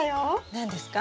何ですか？